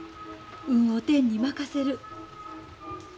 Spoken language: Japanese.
運を天に任せる。